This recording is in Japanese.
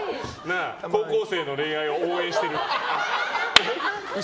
高校生の恋愛を応援している。